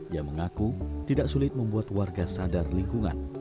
ia mengaku tidak sulit membuat warga sadar lingkungan